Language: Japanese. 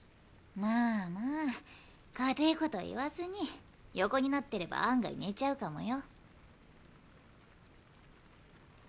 まあまあかてえこと言わずに横になってれば案外寝ちゃうかもよ。